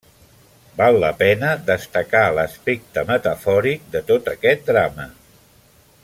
Val la pena destacar l'aspecte metafòric de tot aquest drama.